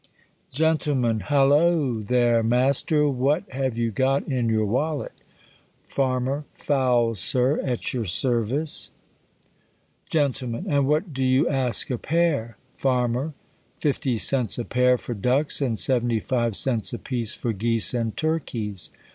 n *i TTALLOO! there, Master! What J A have you got m your wallet r Farmer, Fowls, Sir, at your service. Gent, And what do you ask a pair ?• Farm, Fifty cents a pair for ducks, and seventy five cents apiece for geese and turkeys.